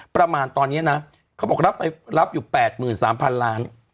ประมาณตอนนี้นะเขาบอกรับอยู่๘๓๐๐๐ล้าน